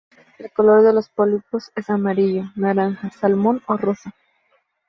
El color de los pólipos es amarillo, naranja, salmón o rosa.